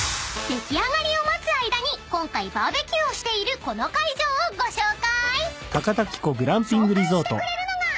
［出来上がりを待つ間に今回バーベキューをしているこの会場をご紹介］